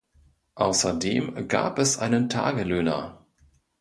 Außerdem gab es einen Tagelöhner.